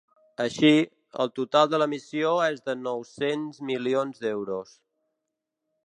Així, el total de l’emissió és de nou-cents milions d’euros.